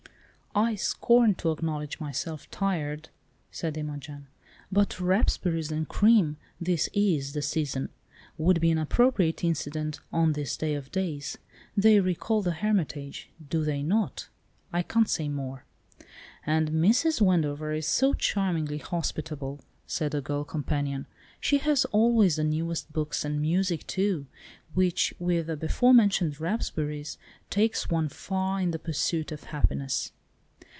"I scorn to acknowledge myself tired," said Imogen; "but raspberries and cream—this is the season—would be an appropriate incident on this day of days. They recall the Hermitage, do they not? I can't say more." "And Mrs. Wendover is so charmingly hospitable," said a girl companion. "She has always the newest books, and music too, which, with the before mentioned raspberries, takes one far in the pursuit of happiness."